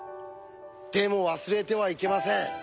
でも忘れてはいけません。